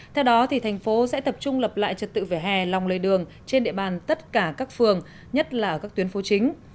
theo đó thành phố sẽ tập trung lập lại trật tự vỉa hè lòng lề đường trên địa bàn tất cả các phường nhất là các tuyến phố chính